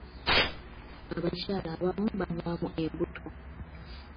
Abakyala abamu bavaamu embuto.